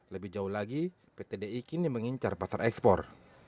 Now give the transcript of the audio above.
lebih jauh lagi pt di kini mengincar pasar ekspor